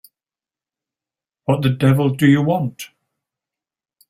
What the devil do you want?